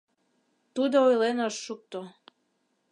Тудо ойлен ыш шукто.